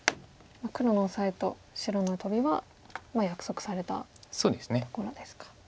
黒のオサエと白のトビは約束されたところですか。